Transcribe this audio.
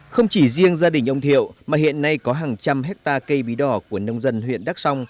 không chỉ riêng gia đình ông thiệu mà hiện nay có hàng trăm hectare cây bí đỏ của nông dân huyện đắk song